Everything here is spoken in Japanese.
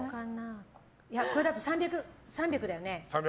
これだと３００だよね。